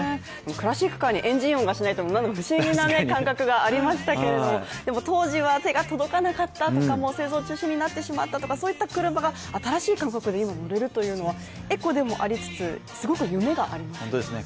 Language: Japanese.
クラシックカーにエンジン音がしないというのは不思議な感覚がありましたけれども当時は手が届かなかったとか製造中止になってしまった、そういった車が、新しい形で今乗られるというのはエコでもありつつすごく夢がありますよね。